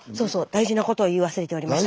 大事なことを言い忘れておりました。